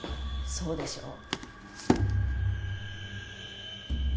そうでしょう。